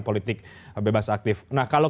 politik bebas aktif nah kalau